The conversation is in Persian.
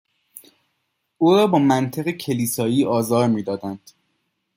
او را با منطق کلیسایی آزار می دادند